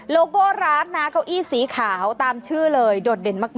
โก้ร้านนะเก้าอี้สีขาวตามชื่อเลยโดดเด่นมาก